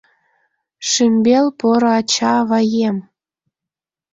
Шӱмбел поро ача-аваем!